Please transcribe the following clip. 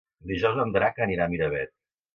Dijous en Drac anirà a Miravet.